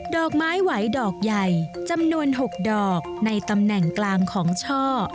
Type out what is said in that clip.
ดอกไม้ไหวดอกใหญ่จำนวน๖ดอกในตำแหน่งกลางของช่อ